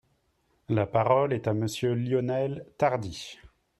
La parole est à Monsieur Lionel Tardy.